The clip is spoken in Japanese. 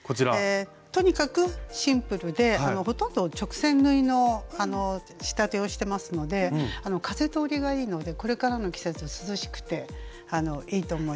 とにかくシンプルでほとんど直線縫いの仕立てをしてますので風通りがいいのでこれからの季節涼しくていいと思います。